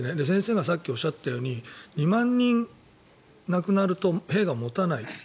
先生がさっきおっしゃったように２万人亡くなると兵が持たない。